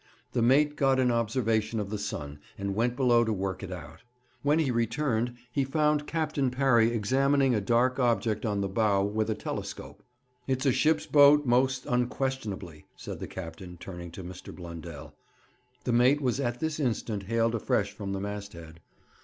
The mate got an observation of the sun, and went below to work it out. When he returned he found Captain Parry examining a dark object on the bow with a telescope. 'It's a ship's boat most unquestionably,' said the captain, turning to Mr. Blundell. The mate was at this instant hailed afresh from the masthead.